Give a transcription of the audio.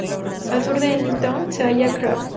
Al sur de Eddington se halla Krafft.